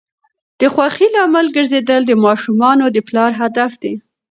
د خوښۍ لامل ګرځیدل د ماشومانو د پلار هدف دی.